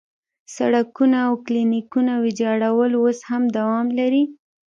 سړکونه او کلینیکونه ویجاړول اوس هم دوام لري.